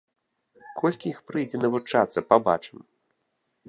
Колькі іх прыйдзе навучацца, пабачым.